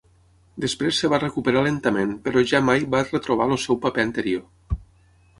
Després es va recuperar lentament però ja mai va retrobar el seu paper anterior.